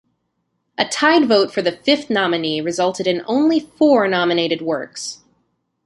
A tied vote for the fifth nominee resulted in only four nominated works.